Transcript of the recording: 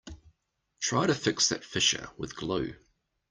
Try to fix that fissure with glue.